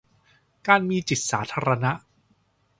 การมีจิตสาธารณะ